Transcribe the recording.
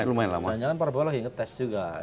cuman perbaloh inget tes juga